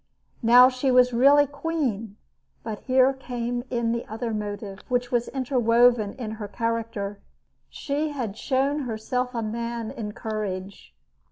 Now she was really queen, but here came in the other motive which was interwoven in her character. She had shown herself a man in courage.